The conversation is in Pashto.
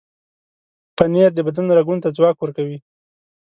پنېر د بدن رګونو ته ځواک ورکوي.